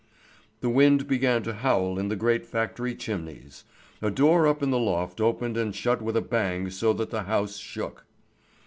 The wind began to howl in the great factory chimneys. A door up in the loft opened and shut with a bang so that the house shook.